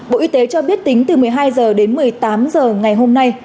bộ y tế cho biết tính từ một mươi hai h đến một mươi tám h ngày hôm nay